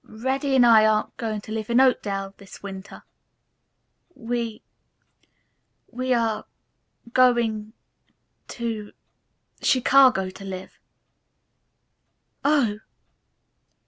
"Reddy and I aren't going to live in Oakdale this winter. We we are going to Chicago to live." "Oh!"